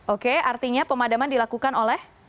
oke artinya pemadaman dilakukan oleh